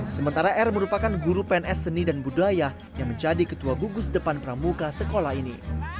sementara r merupakan guru pns seni dan budaya yang menjadi ketua gugus depan pramuka sekolah ini